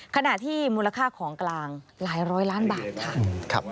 ขณะที่มูลค่าของกลางหลายร้อยล้านบาทค่ะ